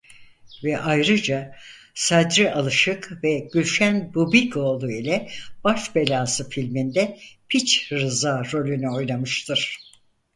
Ve ayrıca Sadri Alışık ve Gülşen Bubikoğlu ile "Baş Belası" filminde "Piç Rıza" rolünü oynamıştır.